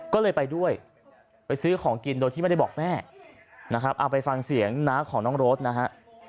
ก็เลยไปด้วยไปซื้อของกินโดยที่ไม่ได้บอกแม่นะครับเอาไปฟังเสียงน้าของน้องโรดนะฮะ